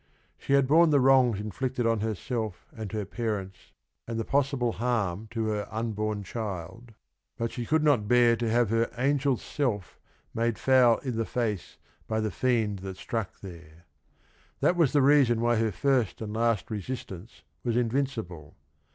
She had borne the wrongs inflicted on herself and her parents and the possible harm to her un POMPILIA 117 born child, but she could not bear to have her "angel's self made foul i' the face by the fiend that struck there." That was the reason why her first and last resistance was invincible.